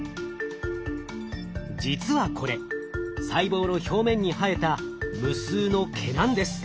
実はこれ細胞の表面に生えた無数の毛なんです。